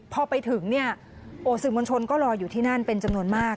พอไปถึงเนี่ยโอ้สื่อมวลชนก็รออยู่ที่นั่นเป็นจำนวนมาก